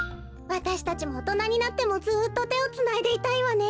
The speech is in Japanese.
わたしたちもおとなになってもずっとてをつないでいたいわね。